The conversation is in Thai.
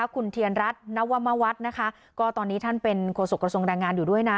คุณเทียนรัฐนวมวัฒน์นะคะก็ตอนนี้ท่านเป็นโฆษกระทรวงแรงงานอยู่ด้วยนะ